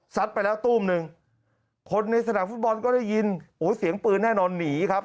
ไปแล้วตู้มหนึ่งคนในสนามฟุตบอลก็ได้ยินโอ้เสียงปืนแน่นอนหนีครับ